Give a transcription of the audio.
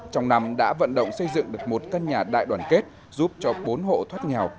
trong năm đã vận động xây dựng được một căn nhà đại đoàn kết giúp cho bốn hộ thoát nghèo